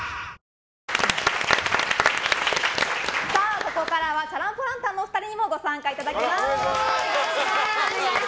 ここからはチャラン・ポ・ランタンのお二人にもご参加いただきます。